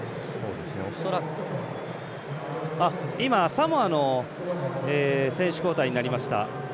サモアの選手交代になりました。